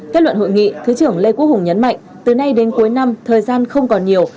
kết luận hội nghị thứ trưởng lê quốc hùng nhấn mạnh từ nay đến cuối năm thời gian không còn nhiều